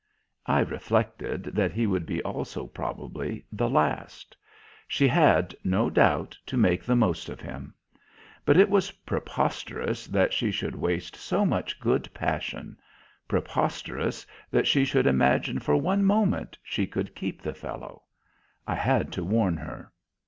I reflected that he would be also, probably, the last. She had, no doubt, to make the most of him. But it was preposterous that she should waste so much good passion; preposterous that she should imagine for one moment she could keep the fellow. I had to warn her.